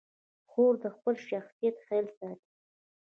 خور د خپل شخصیت خیال ساتي.